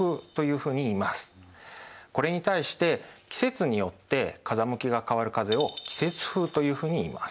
これに対して季節によって風向きが変わる風を季節風というふうにいいます。